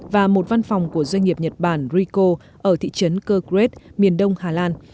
và một văn phòng của doanh nghiệp nhật bản rico ở thị trấn kurgret miền đông hà lan